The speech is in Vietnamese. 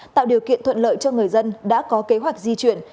tạo điều kiện thuận lợi cho người dân đã có kế hoạch di chuyển